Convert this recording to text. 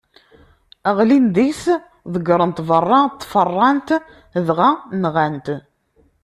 Ɣlin deg-s, ḍeggren-t beṛṛa n tfeṛṛant dɣa nɣan-t.